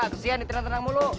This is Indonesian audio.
kasihan ditenang tenang mulu